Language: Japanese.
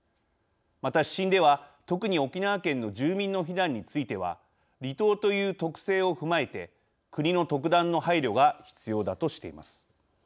また、指針では特に沖縄県の住民の避難については離島という特性を踏まえて国の特段の配慮が必要だとしています。